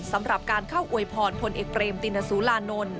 สำหรับการเข้าอวยพรพลเอกเบรมตินสุรานนท์